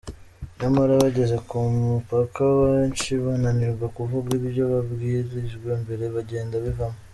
Nyamara bageze ku mupaka abenshi bananirwa kuvuga ibyo babwirijwe mbere, bagenda bivamo.